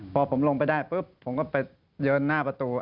พอผมลงไปได้ปุ๊บผมก็ไปเดินหน้าประตู